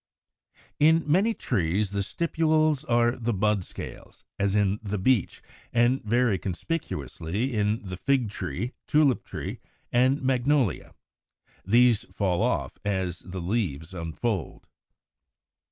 179. In many trees the stipules are the bud scales, as in the Beech, and very conspicuously in the Fig tree, Tulip tree, and Magnolia (Fig. 179). These fall off as the leaves unfold.